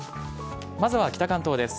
まずは北関東です。